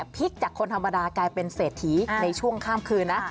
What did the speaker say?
พลิกจากคนธรรมดากลายเป็นเศรษฐีในช่วงข้ามคืนนะ